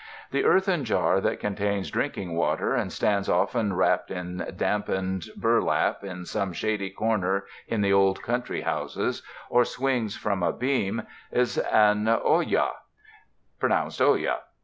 The earthen jar that contains drinking water and stands often wrapped in dampened bur lap in some shady corner in the old country houses, or swings from a beam, is an alia (pronounced 6 ya).